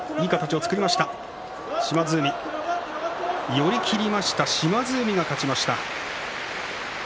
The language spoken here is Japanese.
寄り切りで島津海が勝ちました。